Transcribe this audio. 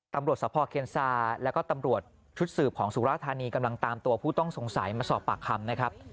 สะพอเคียนซาแล้วก็ตำรวจชุดสืบของสุราธานีกำลังตามตัวผู้ต้องสงสัยมาสอบปากคำนะครับ